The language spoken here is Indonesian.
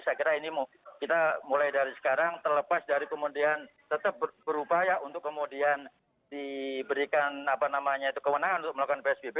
saya kira ini kita mulai dari sekarang terlepas dari kemudian tetap berupaya untuk kemudian diberikan kewenangan untuk melakukan psbb